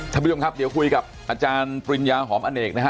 ท่านผู้ชมครับเดี๋ยวคุยกับอาจารย์ปริญญาหอมอเนกนะฮะ